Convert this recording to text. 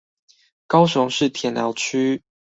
高雄市田寮區